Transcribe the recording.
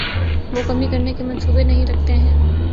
وہ کمی کرنے کے منصوبے نہیں رکھتے ہیں